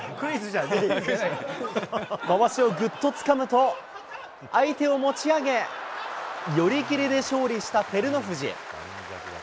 まわしをぐっとつかむと、相手を持ち上げ、寄り切りで勝利した照ノ富士。